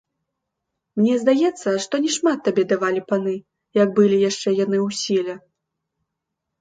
Мне здаецца, што не шмат табе давалі паны, як былі яшчэ яны ў сіле.